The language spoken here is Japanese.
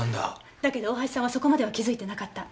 だけど大橋さんはそこまでは気付いてなかった。